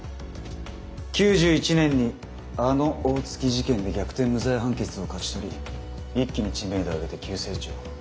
９１年にあの大月事件で逆転無罪判決を勝ち取り一気に知名度を上げて急成長。